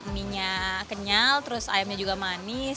mie nya kenyal terus ayamnya juga manis